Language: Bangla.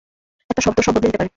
একটা শব্দ সব বদলে দিতে পারে।